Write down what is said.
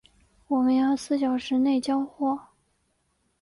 我们要四小时内交货